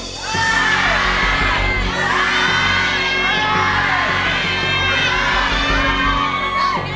ร้อง